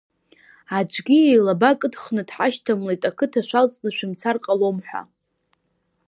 Аӡәгьы илаба кыдхны дҳашьҭамлеит ақыҭа шәалҵны шәымцар ҟалом ҳәа.